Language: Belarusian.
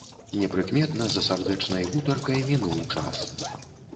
Непрыкметна за сардэчнай гутаркай мінуў час.